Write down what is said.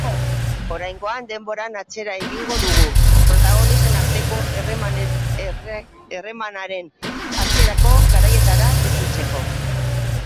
Oraingoan denboran atzera egingo dugu, protagonisten arteko harremanaren hasierako garaietara itzultzeko.